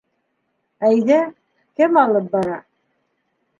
Әйҙә, кем алып бара?